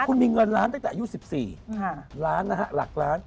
คุณมีเงินล้านตั้งแต่อายุ๑๔ล้านนะฮะหลักล้าน